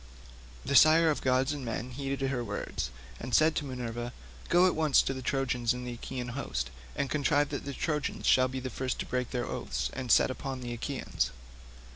The sire of gods and men heeded her words, and said to Minerva, "Go at once into the Trojan and Achaean hosts, and contrive that the Trojans shall be the first to break their oaths and set upon the Achaeans."